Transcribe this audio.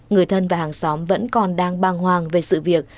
người thân và hàng xóm vẫn còn đang băng hoàng về sự việc